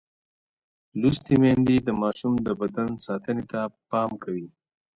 لوستې میندې د ماشوم د بدن ساتنې ته پام کوي.